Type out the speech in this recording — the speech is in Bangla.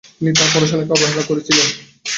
তিনি তার পড়াশুনাকে অবহেলা করেছিলেন।